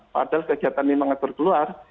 padahal kegiatan ini mengatur keluar